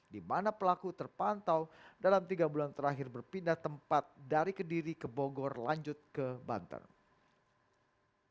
di mana pelaku terpantau dalam tiga bulan terakhir berpindah tempat dari kediri ke bogor lanjut ke banten